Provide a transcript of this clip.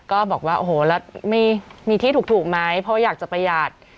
ก็บอกว่าโอ้โหแล้วไม่มีที่ถูกไหมเพราะว่าอยากจะประหยัด